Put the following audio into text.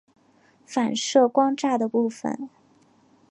反射光栅的部分。